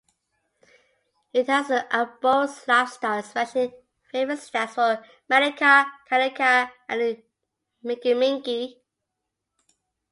It has an arboreal lifestyle, especially favouring stands of manuka, kanuka, and mingimingi.